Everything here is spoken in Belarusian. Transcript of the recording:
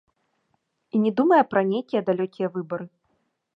І не думае пра нейкія далёкія выбары.